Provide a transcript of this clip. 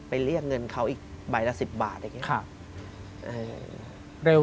เรียกเงินเขาอีกใบละ๑๐บาทอย่างนี้